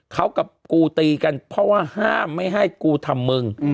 เขากับกูตีกันเพราะว่าห้ามไม่ให้กูทำมึง